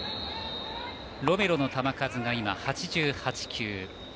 ロメロの球数が今８８球。